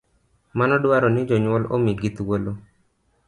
Mano dwaroni jonyuol omigi thuolo